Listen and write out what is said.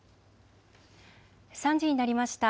３時になりました。